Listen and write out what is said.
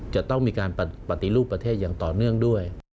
จะต้องมีการปฏิรูปประเทศอย่างต่อเนื่องด้วย